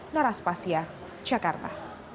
naras pasya jakarta